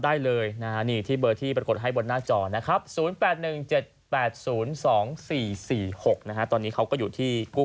ถ้าเกิดว่าใครเป็นเจ้าของมารับได้นะครับ